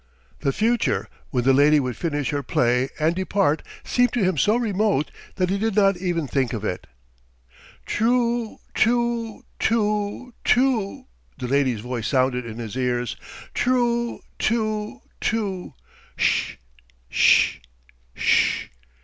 ... The future when the lady would finish her play and depart seemed to him so remote that he did not even think of it. "Trooo too too too ..." the lady's voice sounded in his ears. "Troo too too